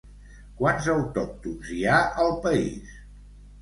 Quants autòctons hi ha al país?